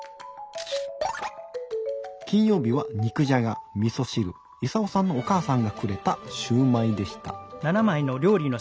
金曜日は肉じゃがみそ汁イサオさんのお母さんがくれた焼売でした。